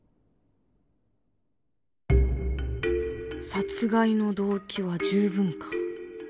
殺害の動機は十分か。